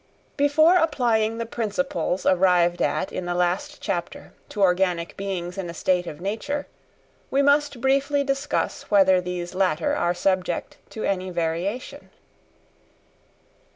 Before applying the principles arrived at in the last chapter to organic beings in a state of nature, we must briefly discuss whether these latter are subject to any variation.